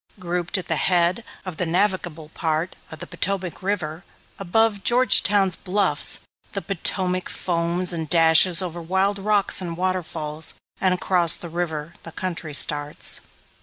Grouped at the head of the navigable part of the Potomac River, above Georgetown's bluffs, the Potomac foams and dashes over wild rocks and waterfalls, and across the river, the country starts.